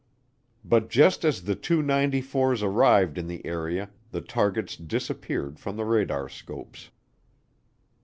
But just as the two '94's arrived in the area the targets disappeared from the radarscopes.